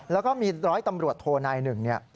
แล้วก็มีร้อยตำรวจโทนายหนึ่งเนี่ย